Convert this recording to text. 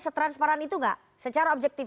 setransparan itu nggak secara objektif